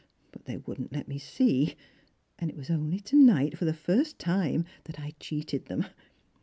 But they would not let me see, and it was only to night for the first time that I cheated them.